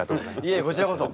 いえこちらこそ。